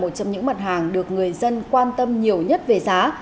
nó là một trong những mặt hàng được người dân quan tâm nhiều nhất về giá